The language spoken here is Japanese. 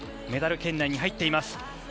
メダル圏内に入っています。